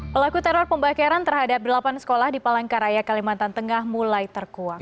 pelaku teror pembakaran terhadap delapan sekolah di palangkaraya kalimantan tengah mulai terkuak